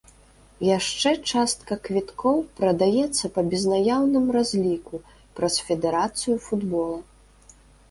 Яшчэ частка квіткоў прадаецца па безнаяўным разліку праз федэрацыю футбола.